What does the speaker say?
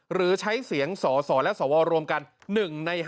หรือใช้เสียงสสและสวรวมกัน๑ใน๕